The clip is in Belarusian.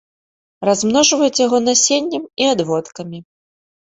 Размножваюць яго насеннем і адводкамі.